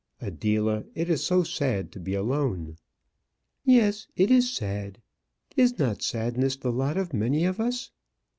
Adela, it is so sad to be alone!" "Yes, it is sad. Is not sadness the lot of many of us?"